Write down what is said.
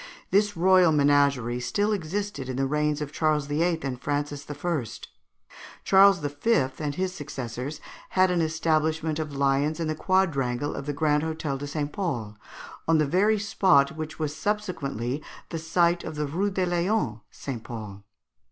This royal menagerie still existed in the reigns of Charles VIII. and Francis I. Charles V. and his successors had an establishment of lions in the quadrangle of the Grand Hôtel de St. Paul, on the very spot which was subsequently the site of the Rue des Lions St. Paul.